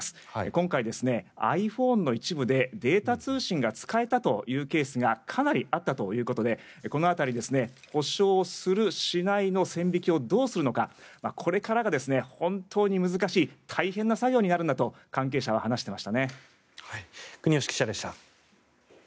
今回ｉＰｈｏｎｅの一部でデータ通信が使えたというケースがかなりあったということでこの辺り補償する、しないの線引きをどうするのかこれからが本当に難しい大変な作業になるんだと国吉記者でした。